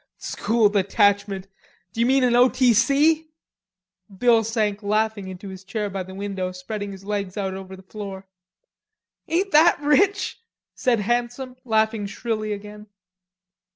"School Detachment. D'you mean an O. T. C?" Bill sank laughing into his chair by the window, spreading his legs out over the floor. "Ain't that rich?" said Handsome, laughing shrilly again.